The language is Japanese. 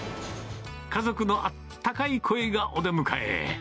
家族のあったかい声がお出迎え。